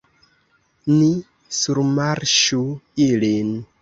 Ni surmarŝu ilin.